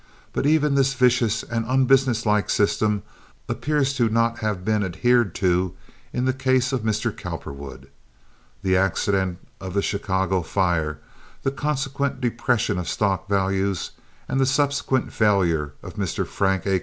But even this vicious and unbusiness like system appears not to have been adhered to in the case of Mr. Cowperwood. The accident of the Chicago fire, the consequent depression of stock values, and the subsequent failure of Mr. Frank A.